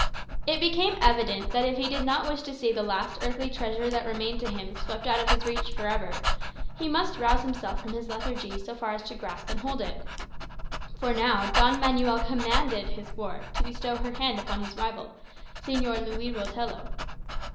It became evident, that if he did not wish to see the last earthly treasure that remained to him swept out of his reach for ever, he must rouse himself from his lethargy so far as to grasp and hold it; for now Don Manuel commanded his ward to bestow her hand upon his rival, Señor Luis Rotelo.